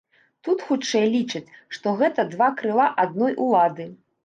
Тут, хутчэй, лічаць, што гэта два крыла адной улады.